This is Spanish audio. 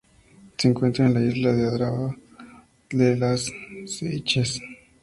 Se encuentra en la isla de Aldabra y las Seychelles.